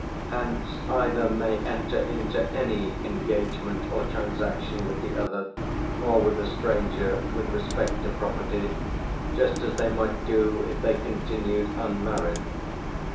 Hence either may into any enter engagement or transaction with the other or with a stranger with respect to property, just as they might do if they continued unmarried" (p.